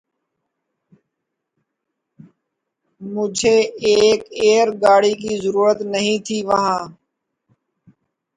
مجھیں ایک ایںر گاڑی کی ضریںرت نہیں تھیں وہاں